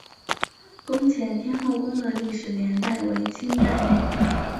宫前天后宫的历史年代为清代。